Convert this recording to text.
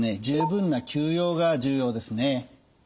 「十分な休養」が重要ですね。